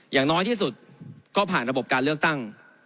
อย่างน้อยที่สุดก็ผ่านระบบการเลือกตั้ง